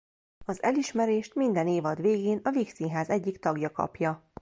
Az elismerést minden évad végén a Vígszínház egyik tagja kapja.